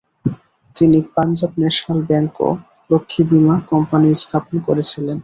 তিনি Punjab national bank ও লক্ষী বিমা কম্পানী স্থাপন করেছিলেন।